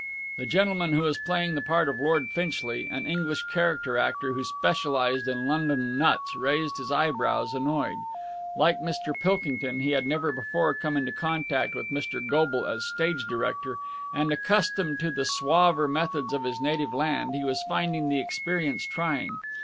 The gentleman who was playing the part of Lord Finchley, an English character actor who specialized in London "nuts," raised his eyebrows, annoyed. Like Mr. Pilkington, he had never before come into contact with Mr. Goble as stage director, and, accustomed to the suaver methods of his native land, he was finding the experience trying.